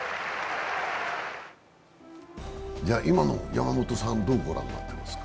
今の山本さん、どうご覧になってますか？